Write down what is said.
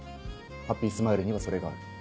ハッピースマイルにはそれがある。